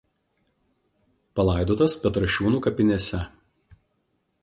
Palaidotas Petrašiūnų kapinėse.